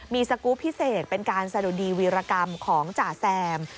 มีสกรูปพิเศษเป็นการสะดุดีวีรกรรมของจ่าแซม